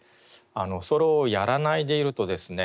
それをやらないでいるとですね